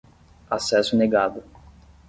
Acesso negado.